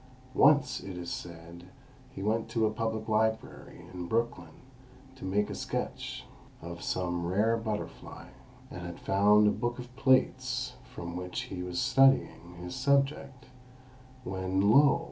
Once, it is said, he went to a public library in Brooklyn to make a sketch of some rare butterfly, and had found a book of plates from which he was studying his subject, when, lo!